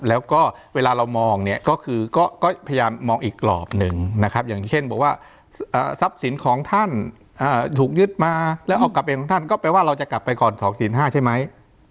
แล้วก็เวลาเรามองเนี่ยก็คือก็พยายามมองอีกกรอบหนึ่งนะครับอย่างเช่นบอกว่าทรัพย์สินของท่านถูกยึดมาแล้วเอากลับไปของท่านก็แปลว่าเราจะกลับไปก่อน๒ศีล๕ใช่ไหม